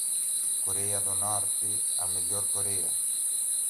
Coreia do Norte, a melhor Coreia